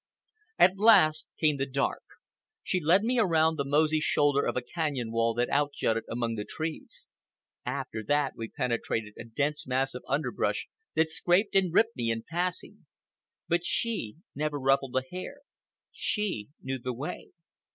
At last came the dark. She led me around the mossy shoulder of a canyon wall that out jutted among the trees. After that we penetrated a dense mass of underbrush that scraped and ripped me in passing. But she never ruffled a hair. She knew the way.